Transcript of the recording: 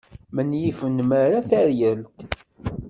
Menyif nnmara taryalt.